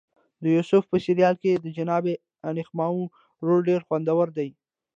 د یوسف په سریال کې د جناب انخماخو رول ډېر خوندور دی.